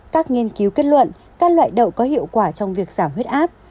các nghiên cứu kết luận các loại đậu có hiệu quả trong việc giảm huyết áp